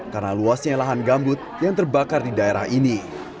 karena luasnya lahan gambut yang terbakar di daerah ini